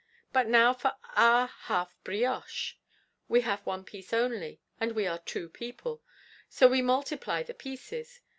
But now for our half Brioche; we have one piece only: and we are two people, so we multiply the pieces.